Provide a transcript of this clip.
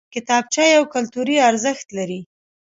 کتابچه یو کلتوري ارزښت لري